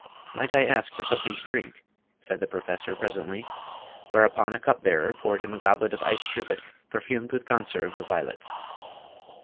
"Might I ask for something to drink?" said the Professor, presently; whereupon a cupbearer poured him a goblet of iced sherbet perfumed with conserve of violets.